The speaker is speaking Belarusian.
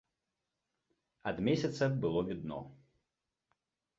Ад месяца было відно.